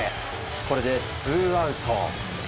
これでツーアウト。